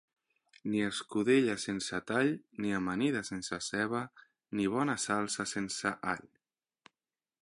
Ni escudella sense tall, ni amanida sense ceba, ni bona salsa sense all.